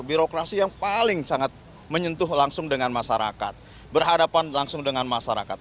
birokrasi yang paling sangat menyentuh langsung dengan masyarakat berhadapan langsung dengan masyarakat